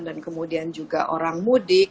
dan kemudian juga orang mudik